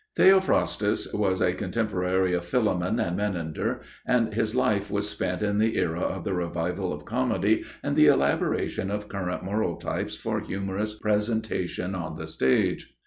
Theophrastus was a contemporary of Philemon and Menander, and his life was spent in the era of the revival of comedy and the elaboration of current moral types for humorous presentation on the stage.